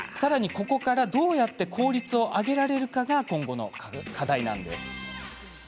どうやって効率を上げられるかが今後の課題です。